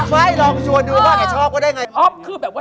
ไม่ลองชวนดูว่าไงชอบก็ได้ไง